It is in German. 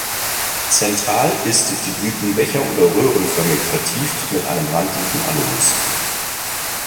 Zentral ist die Blüten becher- oder röhrenförmig vertieft mit einem randlichen Annulus.